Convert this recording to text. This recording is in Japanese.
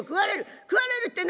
食われるって何で」。